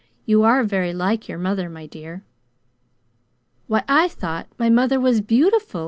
You are very like your mother, my dear." "Why, I thought my mother was BEAUTIFUL!"